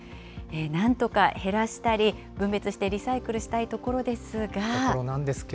なんとか減らしたり、分別してリサイクルしたいところなんですが。